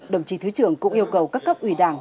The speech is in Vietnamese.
đồng chí thứ trưởng cũng yêu cầu các cấp ủy đảng